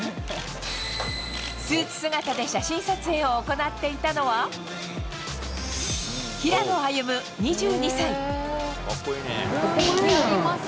スーツ姿で写真撮影を行っていたのは平野歩夢、２２歳。